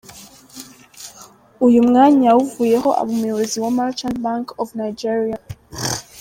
Uyu mwanya yawuvuyeho aba umuyobozi wa Merchant Bank of Nigeria.